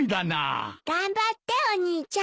頑張ってお兄ちゃん。